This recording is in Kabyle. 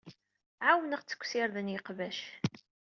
Ɛawneɣ-tt deg usired n yiqbac.